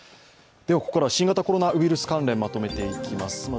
ここからは新型コロナウイルス関連をまとめていきます。